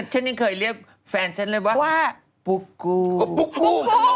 ฉันยังเคยเรียกแฟนฉันเลยว่าบุกกู้